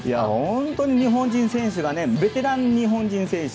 本当に、日本人選手がベテラン日本人選手